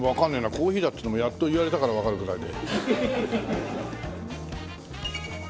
コーヒーだっていうのもやっと言われたからわかるぐらいで。